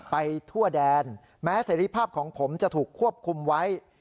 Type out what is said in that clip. ไปทั่วแดนแม้เสร็จภาพของผมจะถูกควบคุมไว้